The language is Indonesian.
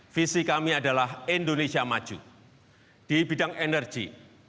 visi kami adalah indonesia maju di bidang energi